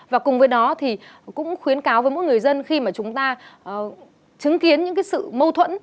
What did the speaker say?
và cùng với đó thì cũng khuyến cáo với mỗi người dân khi mà chúng ta chứng kiến những cái sự mâu thuẫn